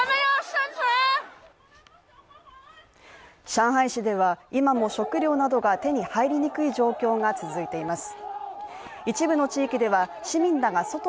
上海市では今も食料などが手に入りにくい状況が続いています。